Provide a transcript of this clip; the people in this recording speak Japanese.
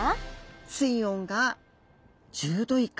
水温が１０℃以下。